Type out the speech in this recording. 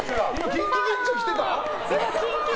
ＫｉｎＫｉＫｉｄｓが来てた？